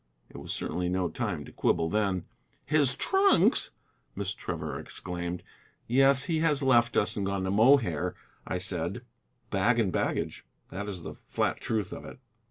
It was certainly no time to quibble then. "His trunks!" Miss Trevor exclaimed. "Yes, he has left us and gone to Mohair," I said, "bag and baggage. That is the flat truth of it."